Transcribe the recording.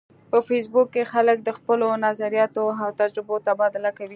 په فېسبوک کې خلک د خپلو نظریاتو او تجربو تبادله کوي